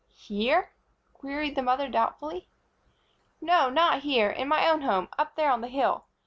"Here?" queried the mother, doubtfully. "No, not here. In my own home up there, on the hill.